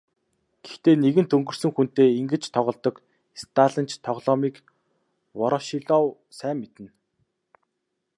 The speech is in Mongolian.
Гэхдээ нэгэнт өнгөрсөн хүнтэй ингэж тоглодог сталинч тоглоомыг Ворошилов сайн мэднэ.